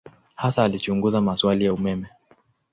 Hasa alichunguza maswali ya umeme.